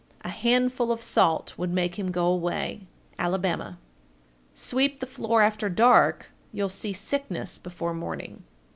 A handful of salt would make him go away. Alabama. 1452. Sweep the floor after dark, you'll see sickness before morning.